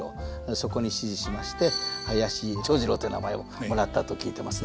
そこに師事しまして林長二郎という名前をもらったと聞いてますね。